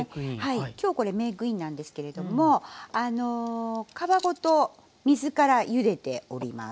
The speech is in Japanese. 今日これメークインなんですけれども皮ごと水からゆでております。